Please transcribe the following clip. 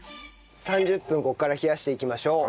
３０分ここから冷やしていきましょう。